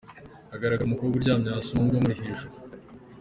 Hagaragara umukobwa uryamye hasi umuhungu amuri hejuru.